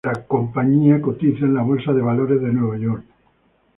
La compañía cotiza en la Bolsa de Valores de Nueva York.